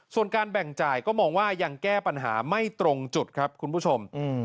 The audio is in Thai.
ส่วนการแบ่งจ่ายก็มองว่ายังแก้ปัญหาไม่ตรงจุดครับคุณผู้ชม